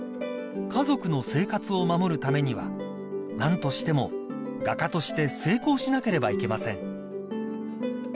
［家族の生活を守るためには何としても画家として成功しなければいけません］